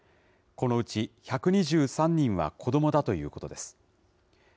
このうち１２３人は子どもだということです。